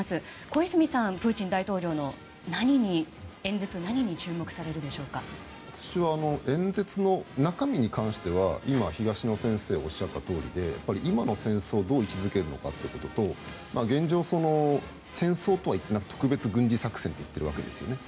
小泉さん、プーチン大統領の演説の何に私は演説の中身に関しては今、東野先生がおっしゃったとおりで今の戦争をどう位置づけるのかということと現状、戦争とは言っていなくて特別軍事作戦と言っているわけですよね。